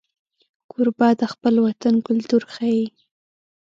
کوربه د خپل وطن کلتور ښيي.